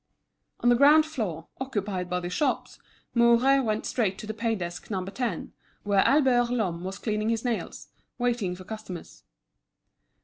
On the ground floor, occupied by the shops, Mouret went straight to the pay desk No. 10, where Albert Lhomme was cleaning his nails, waiting for customers.